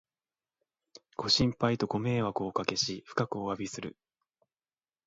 ご心配とご迷惑をおかけし、深くおわびする